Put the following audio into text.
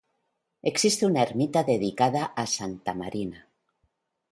Existe una ermita dedicada a Santa Marina.